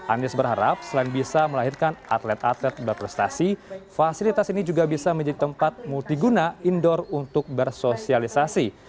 anies berharap selain bisa melahirkan atlet atlet berprestasi fasilitas ini juga bisa menjadi tempat multiguna indoor untuk bersosialisasi